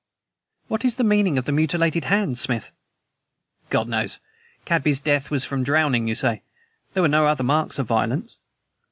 "What is the meaning of the mutilated hands, Smith?" "God knows! Cadby's death was from drowning, you say?" "There are no other marks of violence."